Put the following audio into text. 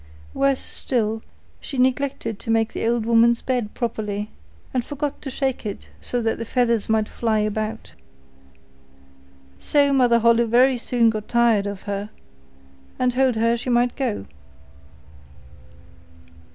Worse still, she neglected to make the old woman's bed properly, and forgot to shake it so that the feathers might fly about. So Mother Holle very soon got tired of her, and told her she might go.